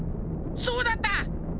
そうだった！